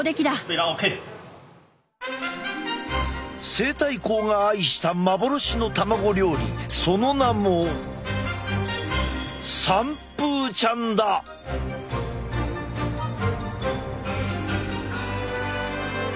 西太后が愛した幻の卵料理その名も見よ